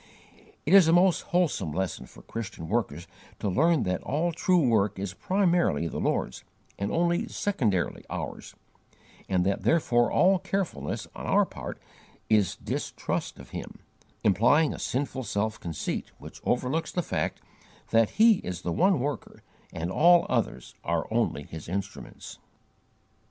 It is a most wholesome lesson for Christian workers to learn that all true work is primarily the Lord's, and only secondarily ours, and that therefore all 'carefulness' on our part is distrust of Him, implying a sinful self conceit which overlooks the fact that He is the one Worker and all others are only His instruments.